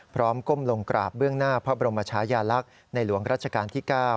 ก้มลงกราบเบื้องหน้าพระบรมชายาลักษณ์ในหลวงรัชกาลที่๙